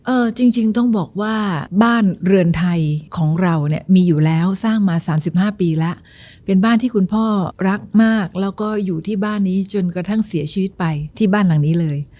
จริงจริงต้องบอกว่าบ้านเรือนไทยของเราเนี่ยมีอยู่แล้วสร้างมาสามสิบห้าปีแล้วเป็นบ้านที่คุณพ่อรักมากแล้วก็อยู่ที่บ้านนี้จนกระทั่งเสียชีวิตไปที่บ้านหลังนี้เลย